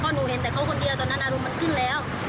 หนูเห็นแต่เขาคนเดียวตอนนั้นอารมณ์มันขึ้นแล้ว